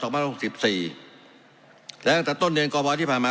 และตั้งแต่ต้นเดือนกบที่ผ่านมา